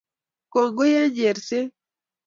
Kongoi eng cherset